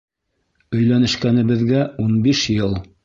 Өйләнешкәнебеҙгә ун биш йыл!